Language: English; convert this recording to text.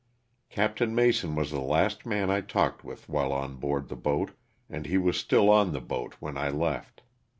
Oapt. Mason was the last man I talked with while on board the boat, and he was still on the boat when I left.